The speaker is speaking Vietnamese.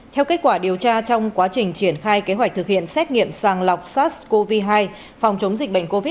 theo kết quả điều tra trong quá trình triển khai kế hoạch thực hiện xét nghiệm sàng lọc sars cov hai phòng chống dịch bệnh covid một mươi chín